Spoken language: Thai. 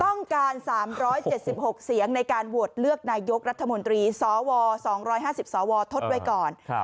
ต้องการ๓๗๖เสียงในการโหวตเลือกนายกรัฐมนตรีสว๒๕๐สวทดไว้ก่อน